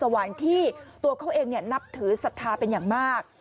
วันที่ตัวเขาเองนับถือศรัทธาเป็นอย่างมาก